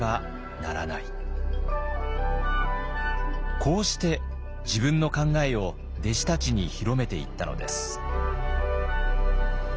こうして自分の考えを弟子たちに広めていったのです。